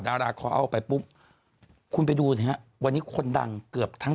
ดาราเขาเอาไปปุ๊บคุณไปดูสิฮะวันนี้คนดังเกือบทั้ง